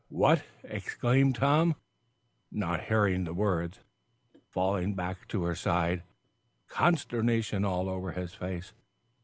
"Eh what!" exclaimed Tom, not hearing the words, falling back to her side, consternation all over his face.